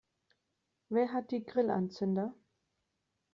Wer hat die Grillanzünder?